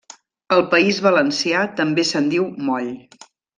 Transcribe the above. Al País Valencià també se'n diu moll.